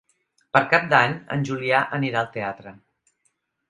Per Cap d'Any en Julià anirà al teatre.